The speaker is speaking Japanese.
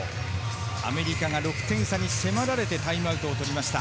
アメリカが６点差に迫られてタイムアウトを取りました。